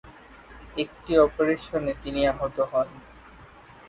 একটি অপারেশনে তিনি আহত হন।